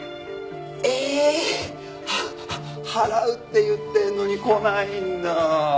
ええ！は払うって言ってるのに来ないんだ。